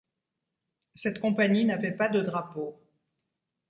Cette compagnie n'avait pas de drapeau.